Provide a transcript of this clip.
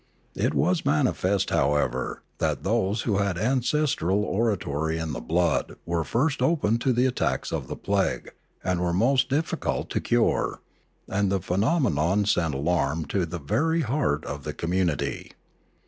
It was manifest, however, that those who had ancestral oratory in the blood were first open to the attacks of the plague and were most difficult to cure; and the phenomenon sent alarm to the very heart of the community.